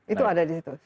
itu ada di situ